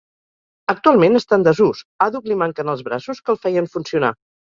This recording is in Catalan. Actualment està en desús, àdhuc li manquen els braços que el feien funcionar.